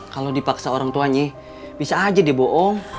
kalau dipaksa orang tuanya bisa aja dia bohong